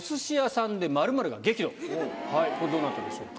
これどなたでしょうか？